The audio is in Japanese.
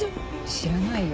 知らないよ。